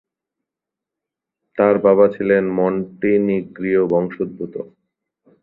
তার বাবা ছিলেন মন্টিনিগ্রীয় বংশোদ্ভূত।